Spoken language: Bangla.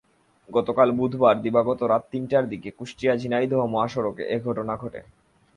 গতকাল বুধবার দিবাগত রাত তিনটার দিকে কুষ্টিয়া ঝিনাইদহ মহাসড়কে এ ঘটনা ঘটে।